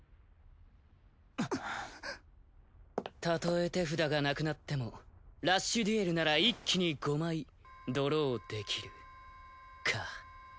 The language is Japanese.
たとえ手札がなくなってもラッシュデュエルなら一気に５枚ドローできるか。